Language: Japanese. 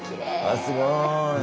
あすごい！